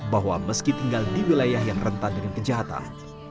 bahwa meski tinggal di wilayah yang rentan dengan kejahatan